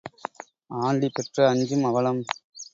Aunty பெற்ற அஞ்சும் அவலம்.